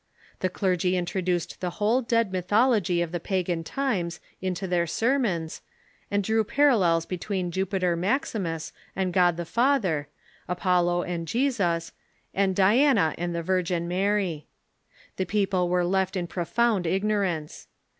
The clergy introduced the whole dead mythology of the pagan times into their sermons, and drew parallels between Jupiter Maximus and God the Father, Apollo and Jesus, and Diana and the Virgin Mary. The people were left in profound ignorance.